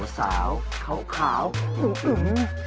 สาวเขาขาวอึ้ม